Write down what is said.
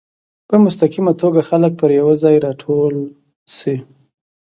په مستقیمه توګه خلک پر یو ځای راټول شي.